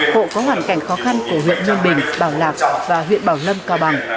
cộ có hoàn cảnh khó khăn của huyện nguyên bình bảo lạc và huyện bảo lâm cao bằng